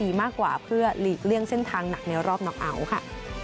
มากกว่าเพื่อหลีกเลี่ยงเส้นทางหนักในรอบน็อกเอาท์ค่ะ